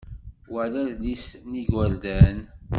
Wa d adlis n yigerdan.